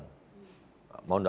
mau tidak mau kita harus berjalan